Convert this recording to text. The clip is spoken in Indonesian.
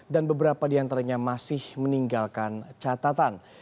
dan beberapa di antaranya masih meninggalkan catatan